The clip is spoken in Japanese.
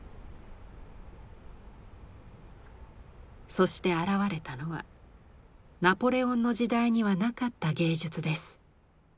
そして現れたのはナポレオンの時代にはなかった芸術です。